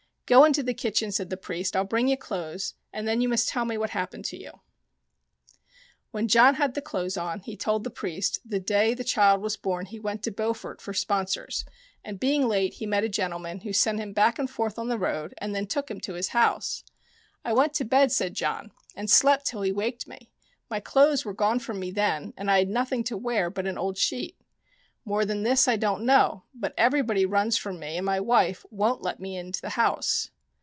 "Go into the kitchen," said the priest. "I'll bring you clothes, and then you must tell me what happened to you." 1 6 Tales of the Fairies When John had the clothes on he told the priest the day the child was born he went to Beaufort for sponsors, and, being late, he met a gentleman, who sent him back and forth on the road and then took him to his house. " I went to bed," said John, " and slept till he waked me. My clothes were gone from me then, and I had nothing to wear but an old sheet. More than this I don't know : but everybody runs from me, and my wife won't let me into the house."